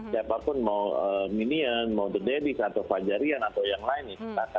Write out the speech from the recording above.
siapapun mau minions mau the daddies atau fajarian atau yang lain nih